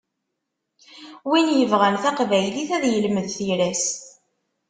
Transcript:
Win yebɣan taqbaylit ad yelmed tira-s.